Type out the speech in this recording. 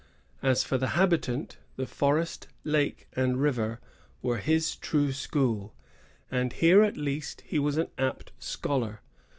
As for the hahitarU^ the f oresti lake, and river were his true school; and here, at least, he was an apt scholar.